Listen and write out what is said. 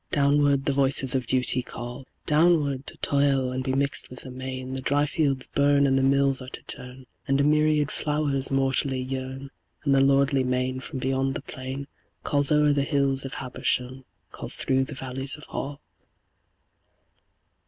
Downward the voices of Duty call Downward, to toil and be mixed with the main, The dry fields burn, and the mills are to turn, And a myriad flowers mortally yearn, And the lordly main from beyond the plain Calls o'er the hills of Habersham, Calls through the valleys of Hall.